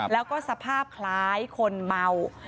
แล้วก็สภาพคล้ายคนเมา